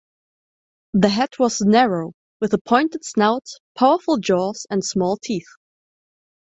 The head was narrow, with a pointed snout, powerful jaws, and small teeth.